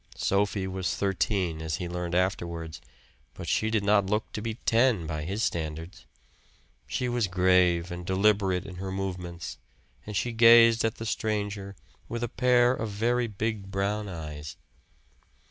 Sophie was thirteen, as he learned afterwards; but she did not look to be ten by his standards. She was grave and deliberate in her movements, and she gazed at the stranger with a pair of very big brown eyes.